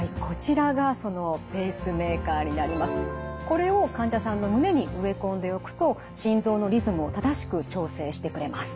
これを患者さんの胸に植え込んでおくと心臓のリズムを正しく調整してくれます。